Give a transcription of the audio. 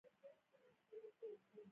ایا په چوکۍ لمونځ کوئ؟